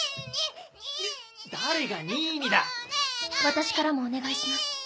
私からもお願いします。